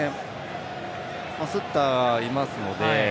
スッターいますので。